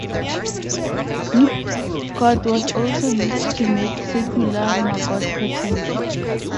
Whipped cord was also used to make circular 'maggot' patterns.